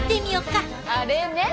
あれね！